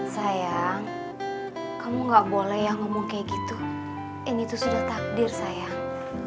sayang kamu gak boleh yang ngomong kayak gitu ini tuh sudah takdir sayang